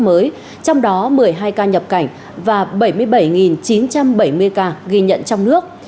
trong đó một mươi hai ca nhập cảnh và bảy mươi bảy chín trăm bảy mươi ca ghi nhận trong nước